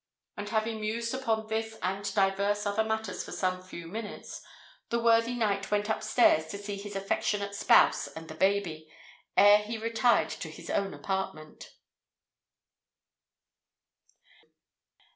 And, having mused upon this and divers other matters for some few minutes, the worthy knight went up stairs to see his affectionate spouse and the baby, ere he retired to his own apartment.